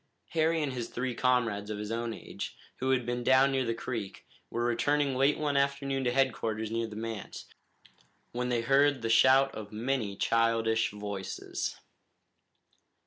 Harry and his three comrades of his own age, who had been down near the creek, were returning late one afternoon to headquarters near the manse, when they heard the shout of many childish voices.